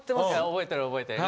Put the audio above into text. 覚えてる覚えてる。